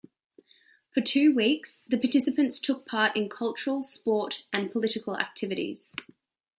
For two weeks, the participants took part in cultural, sport, and political activities.